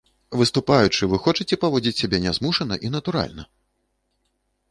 Выступаючы, вы хочаце паводзіць сябе нязмушана і натуральна?